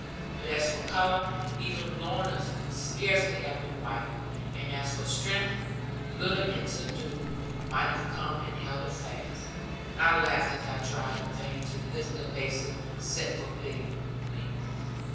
But as for colour, even Lorna's could scarcely have been whiter; and as for strength, little Ensie Doone might have come and held it fast. I laughed as I tried in vain to lift the basin set for bleeding me.